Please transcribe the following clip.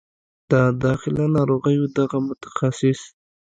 د داخله ناروغیو دغه متخصص